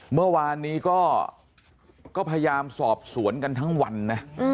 เมื่อวานนี้ก็พยายามสอบสวนกันทั้งวันนะ